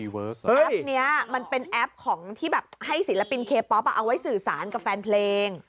แอปนี้มันเป็นแอปของที่แบบให้ศิลปินเคป๊อปเอาไว้สื่อสารกับแฟนเพลง